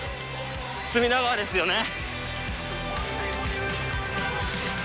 隅田川ですよね。